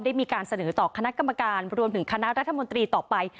ได้มีการเสนอต่อคณะกรรมการรวมถึงคณะรัฐมนตรีต่อไป